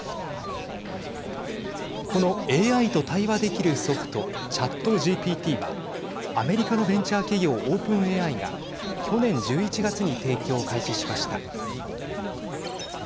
このＡＩと対話できるソフトＣｈａｔＧＰＴはアメリカのベンチャー企業オープンＡＩが去年１１月に提供を開始しました。